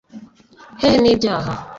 hehe n’ibyaha’